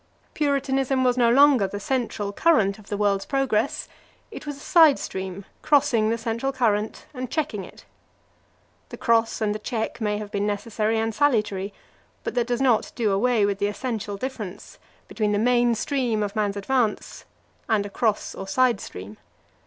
Puritanism was no longer the central current of the world's progress, it was a side stream crossing the central current and checking it. The cross and the check may have been necessary and salutary, but that does not do away with the essential difference between the main stream of man's advance and a cross or side stream.